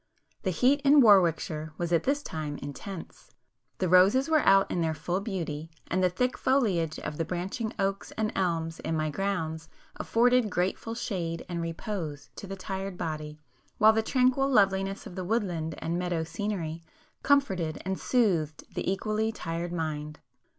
The heat in Warwickshire was at this time intense,—the roses were out in their full beauty, and the thick foliage of the branching oaks and elms in my grounds afforded grateful shade and repose to the tired body, while the tranquil loveliness of the woodland and meadow scenery, comforted and soothed the equally tired mind.